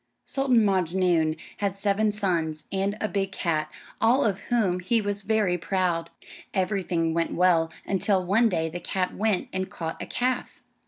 Sultan Maaj'noon had seven sons and a big cat, of all of whom he was very proud. Everything went well until one day the cat went and caught a calf.